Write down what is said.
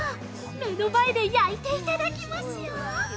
目の前で焼いていただきますよ。